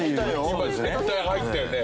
今絶対入ったよね。